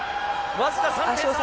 僅か３点差。